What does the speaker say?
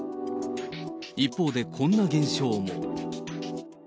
一方でこんな現象も。